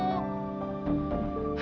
kau tuh kawatir mikirin kamu